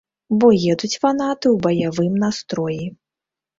Бо едуць фанаты ў баявым настроі.